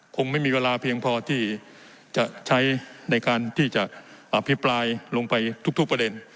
คงไม่มีเวลาเพียงพอที่จะใช้ในการที่จะอภิปรายลงไปทุกประเด็น